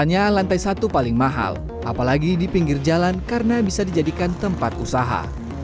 biasanya lantai satu paling mahal apalagi di pinggir jalan karena bisa dijadikan tempat usaha